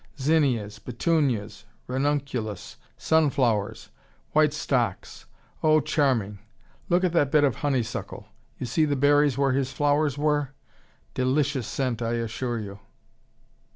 Zinnias, petunias, ranunculus, sunflowers, white stocks oh, charming. Look at that bit of honeysuckle. You see the berries where his flowers were! Delicious scent, I assure you."